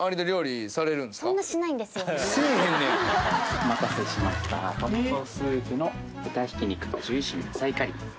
お待たせしましたトマトスープの豚ひき肉と１１種の野菜カリーです。